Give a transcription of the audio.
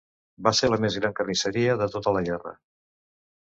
Va ser la més gran carnisseria de tota la guerra.